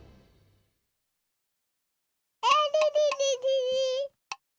あれれれれれ。